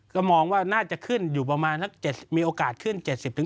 ก็มองว่าน่าจะขึ้นอยู่ประมาณสักมีโอกาสขึ้น๗๐